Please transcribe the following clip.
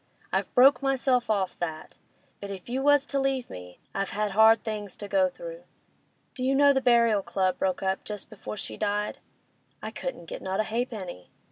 I've broke myself off that; but if you was to leave me—I've had hard things to go through. Do you know the Burial Club broke up just before she died? I couldn't get not a ha'penny!